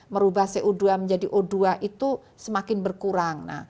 merubah co dua menjadi o dua itu semakin berkurang